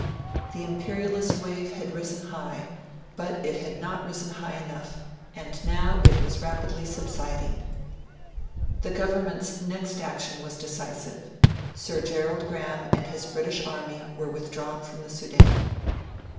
The imperialist wave had risen high, but it had not risen high enough; and now it was rapidly subsiding. The Government's next action was decisive. Sir Gerald Graham and his British Army were withdrawn from the Sudan.